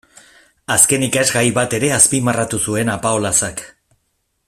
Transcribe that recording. Azken ikasgai bat ere azpimarratu zuen Apaolazak.